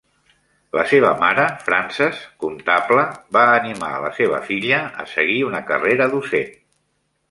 La seva mare, Frances, comptable, va animar la seva filla a seguir una carrera docent.